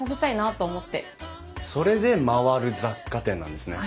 それで「まわる雑貨店」なんですね。